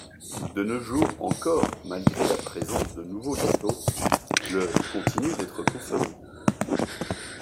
De nos jours encore, malgré la présence de nouveaux gâteaux, le continue d'être consommé.